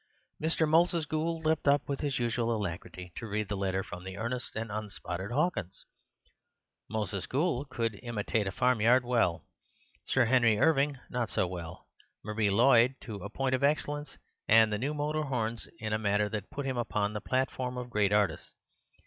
Mr. Moses Gould leapt up with his usual alacrity to read the letter from the earnest and unspotted Hawkins. Moses Gould could imitate a farmyard well, Sir Henry Irving not so well, Marie Lloyd to a point of excellence, and the new motor horns in a manner that put him upon the platform of great artists.